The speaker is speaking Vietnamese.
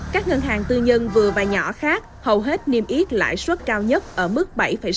các ngân hàng tư nhân vừa và nhỏ khác hầu hết niêm yết lãi xuất cao nhất ở mức bảy sáu bảy tám